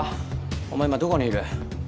お前今どこにいる？